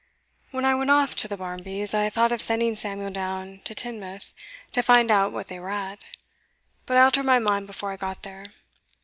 When I went off to the Barmbys', I thought of sending Samuel down to Teignmouth, to find out what they were at. But I altered my mind before I got there.